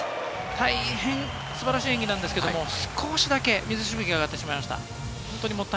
大変素晴らしい演技なんですけれども、少しだけ水しぶきが上がってしまいました。